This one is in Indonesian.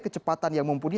kecepatan yang mumpuni